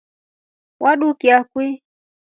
Wadukia kwii?